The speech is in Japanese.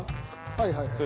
はいはいはい。